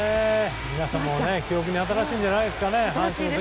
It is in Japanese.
皆さんも記憶に新しいんじゃないですかね。